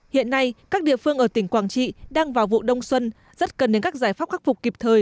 hiện nay các địa phương ở tỉnh quảng trị đang vào vụ đông xuân rất cần đến các giải pháp khắc phục kịp thời